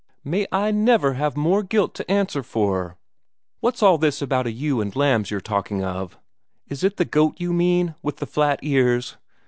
May I never have more guilt to answer for! What's all this about a ewe and lambs you're talking of? Is it the goat you mean, with the flat ears?"